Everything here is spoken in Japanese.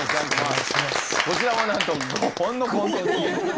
こちらもなんと５本のコントに。